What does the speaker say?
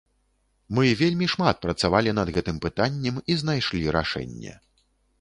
Мы вельмі шмат працавалі над гэтым пытаннем і знайшлі рашэнне.